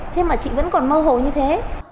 thế mà chị vẫn còn mơ hồ như thế